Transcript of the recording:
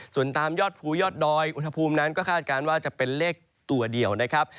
ส่วนตามยอดภูยอดดอยอุณหภูมินั้นก็คาดการณ์ว่าจะเป็นเลขตัวเดียวนะครับ